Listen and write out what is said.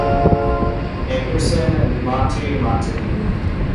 Anderson and Monte Montague.